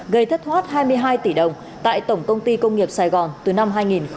gây thất thoát hai mươi hai tỷ đồng tại tổng công ty công nghiệp sài gòn từ năm hai nghìn một mươi bảy